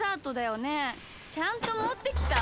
ちゃんともってきた？